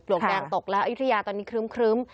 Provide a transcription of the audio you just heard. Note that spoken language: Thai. วกแดงตกแล้วอายุทยาตอนนี้ครึ้ม